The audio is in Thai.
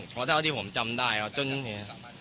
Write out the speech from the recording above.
เพราะเท่าที่ผมจำได้จนหลังจากวันที่สามวันแล้ว